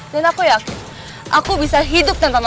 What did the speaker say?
dan aku yakin aku bisa hidup tanpa mama